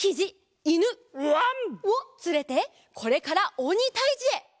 わん！をつれてこれからおにたいじへ！